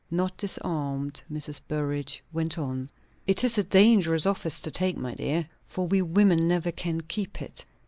Not disarmed, Mrs. Burrage went on. "It is a dangerous office to take, my dear, for we women never can keep it.